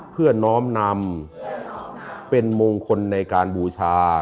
เพื่อน้องนำเพื่อน้องเป็นมงคลในการบูชา